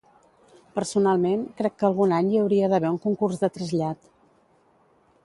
Personalment crec que algun any hi hauria d'haver un concurs de trasllat.